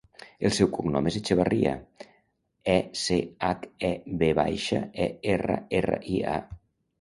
El seu cognom és Echeverria: e, ce, hac, e, ve baixa, e, erra, erra, i, a.